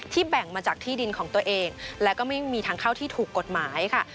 แบ่งมาจากที่ดินของตัวเองและก็ไม่มีทางเข้าที่ถูกกฎหมายค่ะ